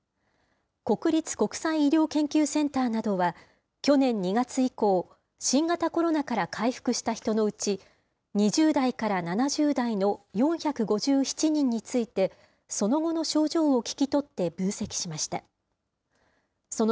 国立国際医療研究センターなどは、去年２月以降、新型コロナから回復した人のうち、２０代から７０代の４５７人について、その後の症状を聞き取って分析しました。